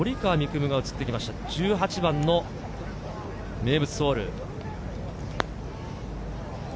夢、１８番の名物ホール。